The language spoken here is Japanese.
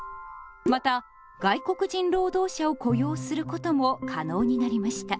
また外国人労働者を雇用することも可能になりました。